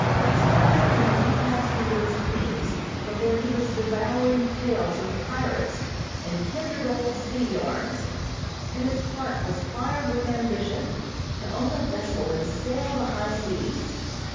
Scarcely had he passed into his teens before he was devouring tales of pirates, and kindred old sea yarns, and his heart was fired with ambition to own a vessel and sail the high seas.